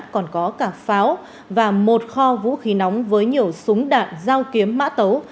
còn có cả pháo và một kho vũ khí nóng với nhiều súng đạn dao kiếm mã tấu